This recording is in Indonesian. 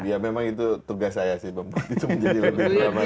ya memang itu tugas saya sih